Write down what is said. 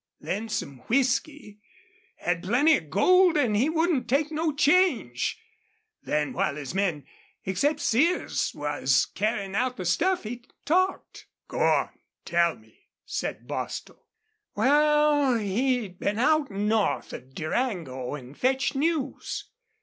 Then some whisky. Had plenty of gold an' wouldn't take no change. Then while his men, except Sears, was carryin' out the stuff, he talked." "Go on. Tell me," said Bostil. "Wal, he'd been out north of Durango an' fetched news.